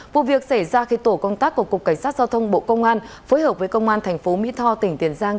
vụ việc xảy ra khi tổ công tác của cục cảnh sát giao thông bộ công an phối hợp với công an thành phố mỹ tho tỉnh tiền giang